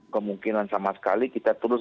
kemungkinan sama sekali kita terus